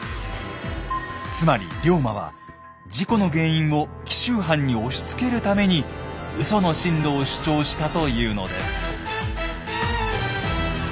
つまり龍馬は事故の原因を紀州藩に押しつけるためにウソの進路を主張したというのです。